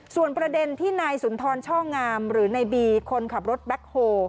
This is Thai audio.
ส่วนประเด็นที่นายสุนทรช่องามหรือในบีคนขับรถแบ็คโฮ